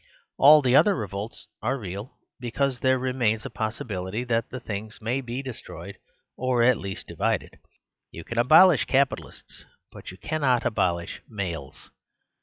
All the other revolts are real, because there remains a possibility that the things may be destroyed, or at least divided. You can abol ish capitalists ; but you cannot abolish males.